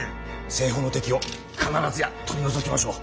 西方の敵を必ずや取り除きましょう。